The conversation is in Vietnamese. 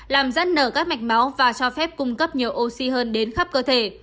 làm dẫn nở các mạch máu và cho phép cung cấp nhiều oxy hơn đến khắp cơ thể